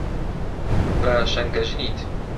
بە شەنگەژنیت